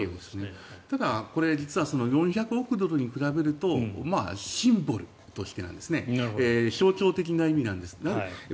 ただこれ実は４００億ドルに比べるとシンボル象徴的なものなんですね。